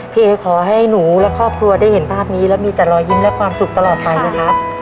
เอ๊ขอให้หนูและครอบครัวได้เห็นภาพนี้แล้วมีแต่รอยยิ้มและความสุขตลอดไปนะครับ